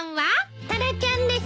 タラちゃんです。